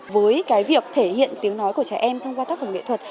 với việc thể hiện tiếng nói của trẻ em thông qua tác phẩm nghệ thuật